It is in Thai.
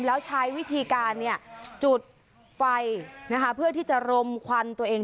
แล้วใช้วิธีการจุดไฟเพื่อที่จะรมควันตัวเอง